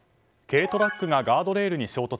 軽トラックがガードレールに衝突。